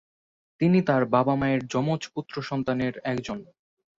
তিনি তার বাবা-মায়ের যমজ পুত্রসন্তানের একজন।